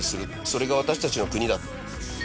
それが私たちの国だ。